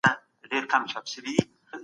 ستاسو په عمل کي به رښتینولي وي.